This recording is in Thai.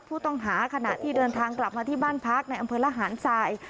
ผู้ต้องหาขณะที่เดินทางกลับมาที่บ้านพักในอำเภอละหารทราย